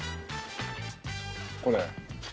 これ？